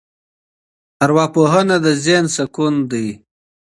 ارواپوهنه د ذهن سکون دی.